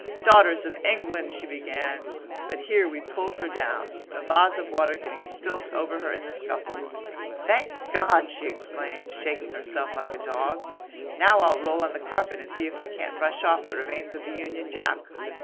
"Daughters of England!" she began, but here we pulled her down, a vase of water getting spilt over her in the scuffle. "Thank God!" she exclaimed, shaking herself like a dog. "Now I'll roll on the carpet and see if I can't brush off what remains of the Union Jack.